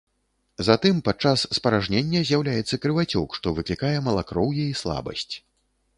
Затым падчас спаражнення з'яўляецца крывацёк, што выклікае малакроўе і слабасць.